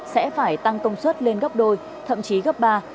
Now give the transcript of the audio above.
sẽ phải tăng công suất lên gấp đôi thậm chí gấp ba